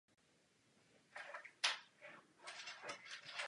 Zde však nebyl spokojen.